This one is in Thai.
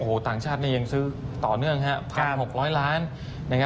โอ้โหต่างชาติยังซื้อต่อเนื่อง๑๖๐๐ล้าน